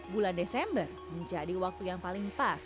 bulan desember menjadi waktu yang paling pas